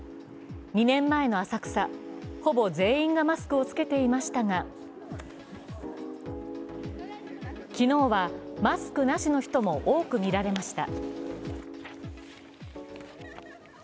２年前の浅草、ほぼ全員がマスクを着けていましたが昨日はマスクなしの人も多く見られました。